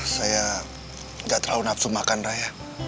saya tidak terlalu nafsu makan raya